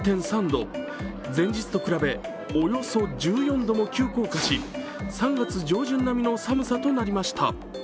前日と比べ、およそ１４度も急降下し３月上旬並みの寒さとなりました。